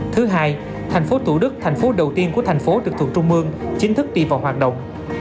thứ hai thành phố thủ đức thành phố đầu tiên của thành phố trực thuộc trung mương chính thức đi vào hoạt động